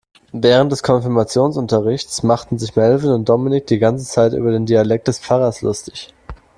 Während des Konfirmationsunterrichts machten sich Melvin und Dominik die ganze Zeit über den Dialekt des Pfarrers lustig.